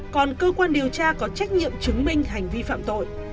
còn cơ quan điều tra có trách nhiệm chứng minh hành vi phạm tội